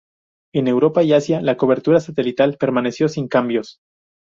En Europa y Asia la cobertura satelital permaneció sin cambios.